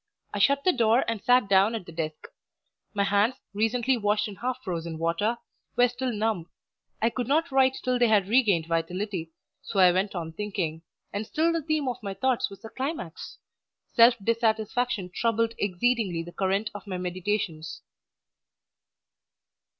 I shut the door and sat down at the desk; my hands, recently washed in half frozen water, were still numb; I could not write till they had regained vitality, so I went on thinking, and still the theme of my thoughts was the "climax." Self dissatisfaction troubled exceedingly the current of my meditations.